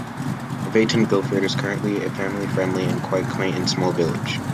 Aveton Gifford is currently a family friendly and quite quaint and small village.